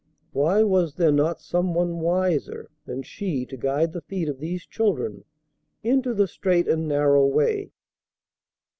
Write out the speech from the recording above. Why was there not some one wiser than she to guide the feet of these children into the straight and narrow way?